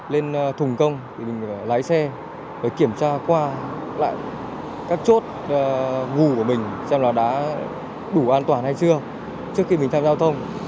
lên thùng công thì mình phải lái xe để kiểm tra qua các chốt ngủ của mình xem là đã đủ an toàn hay chưa trước khi mình tham giao thông